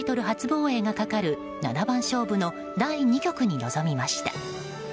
防衛がかかる七番勝負の第２局に臨みました。